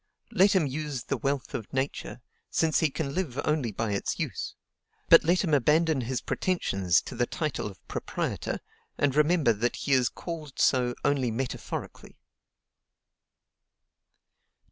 Let him use the wealth of Nature, since he can live only by its use; but let him abandon his pretensions to the title of proprietor, and remember that he is called so only metaphorically.